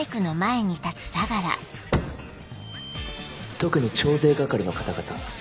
特に徴税係の方々。